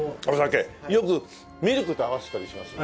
よくミルクと合わせたりしますね。